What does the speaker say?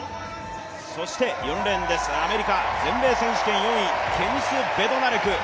そして４レーンアメリカ全米選手権４位ケニス・ベドナレク。